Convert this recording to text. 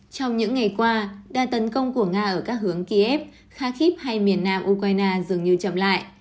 trong những ngày qua đa tấn công của nga ở các hướng kiev khakhip hay miền nam ukraine dường như chậm lại